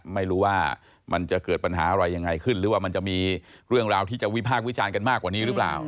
ไม่รู้ว่ามันจะเกิดปัญหาอะไรยังไงขึ้นหรือว่ามันจะมีเรื่องราวที่จะวิพากษ์วิจารณ์กันมากกว่านี้หรือเปล่า